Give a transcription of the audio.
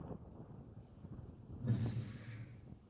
It is one of the most densely populated communes of Santiago, Chile.